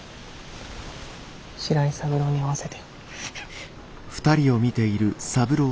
白井三郎に会わせて。